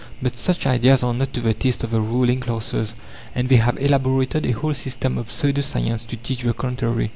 But such ideas are not to the taste of the ruling classes, and they have elaborated a whole system of pseudo science to teach the contrary.